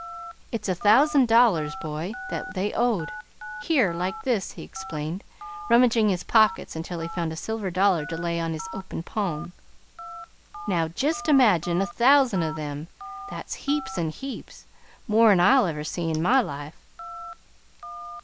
It's a thousand dollars, boy, that they owed. Here, like this," he explained, rummaging his pockets until he had found a silver dollar to lay on his open palm. "Now, jest imagine a thousand of them; that's heaps an' heaps more 'n I ever see in my life."